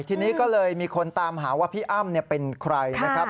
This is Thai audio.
ทีนี้ก็เลยมีคนตามหาว่าพี่อ้ำเป็นใครนะครับ